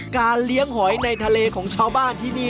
การเลี้ยงหอยในทะเลของชาวบ้านที่นี่